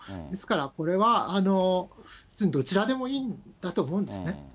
ですから、これはどちらでもいいんだと思うんですね。